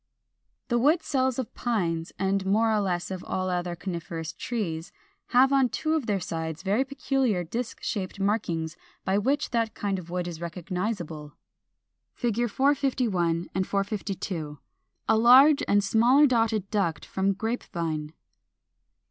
] 412. The wood cells of Pines, and more or less of all other Coniferous trees, have on two of their sides very peculiar disk shaped markings (Fig. 448 450) by which that kind of wood is recognizable. [Illustration: Fig. 451, 452. A large and a smaller dotted duct from Grape Vine.